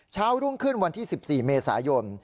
รุ่งขึ้นวันที่๑๔เมษายน